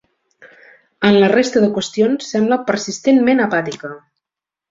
En la resta de qüestions, sembla persistentment apàtica.